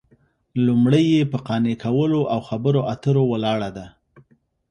لومړۍ یې په قانع کولو او خبرو اترو ولاړه ده